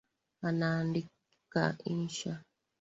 Anaandika insha